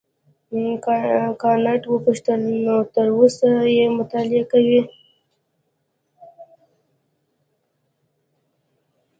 کانت وپوښتل نو تر اوسه یې مطالعه کوې.